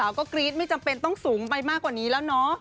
ก็กรี๊ดไม่จำเป็นต้องสูงไปมากกว่านี้แล้วเนาะ